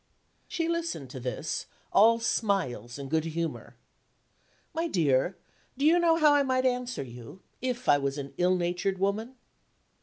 She listened to this, all smiles and good humor: "My dear, do you know how I might answer you, if I was an ill natured woman?"